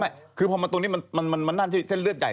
ไม่คือพอมาตรงนี้มันนั่นที่เส้นเลือดใหญ่